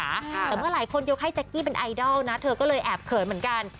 แต่เมื่อหลายคนยกให้แจ๊กกี้เป็นไอดอลนะเธอก็เลยแอบเขินเหมือนกัน